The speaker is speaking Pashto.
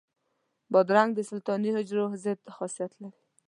بادرنګ د سرطاني حجرو ضد خاصیت لري.